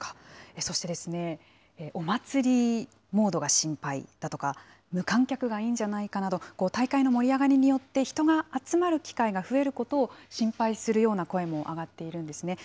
そしてですね、お祭りモードが心配だとか、無観客がいいんじゃないかなど、大会の盛り上がりによって、人が集まる機会が増えることを心配するような声も上がっているんですね。